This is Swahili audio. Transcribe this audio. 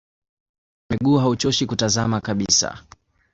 Mpira wa miguu hauchoshi kutazama kabisa